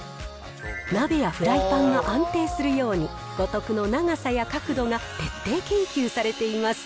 鍋やフライパンが安定するように五徳の長さや角度が徹底研究されています。